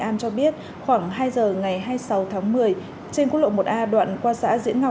an cho biết khoảng hai giờ ngày hai mươi sáu tháng một mươi trên quốc lộ một a đoạn qua xã diễn ngọc